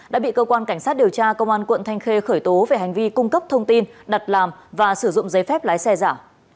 đã bị cơ quan cảnh sát điều tra công an quận thanh khê khởi tố về hành vi cung cấp thông tin đặt làm và sử dụng giấy phép lái xe giả